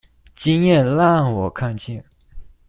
經驗讓我看見